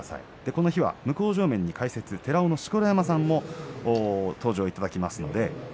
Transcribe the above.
この日は向正面の解説に寺尾の錣山さんにご登場いただきます。